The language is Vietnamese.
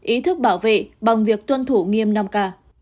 ý thức bảo vệ bằng việc tuân thủ nghiêm năm k